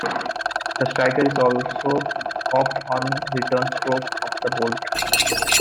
The striker is also cocked on the return stroke of the bolt.